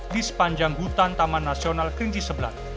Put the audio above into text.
di sepanjang hutan taman nasional kringji sebelan